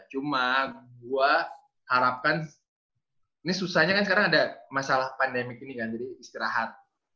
cuma gue harapkan ini susahnya kan sekarang ada masalah pandemik ini kan jadi istirahat